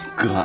gak usah pak